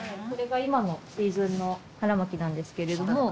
これが今のシーズンの腹巻きなんですけれども。